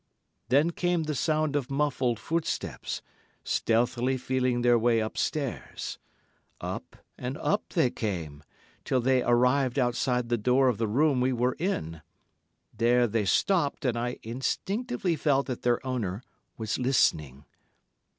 Then came the sound of muffled footsteps, stealthily feeling their way upstairs. Up and up they came, till they arrived outside the door of the room we were in. There they stopped, and I instinctively felt that their owner was listening.